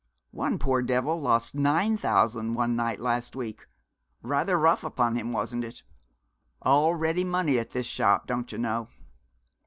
One poor devil lost nine thousand one night last week. Rather rough upon him, wasn't it? All ready money at this shop, don't you know.'